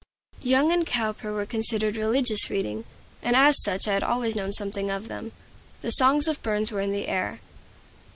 Young and Cowper were considered religious reading, and as such I had always known something of them. The songs of Burns were in the air.